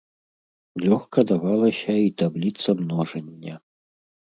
Лёгка давалася і табліца множання.